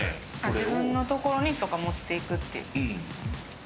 自分の所にそっか持っていくっていう。